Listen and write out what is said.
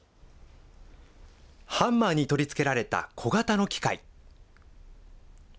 ハンマーに取り付けられた小型の機械。